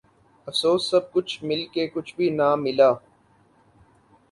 افسوس سب کچھ مل کے کچھ بھی ناں ملا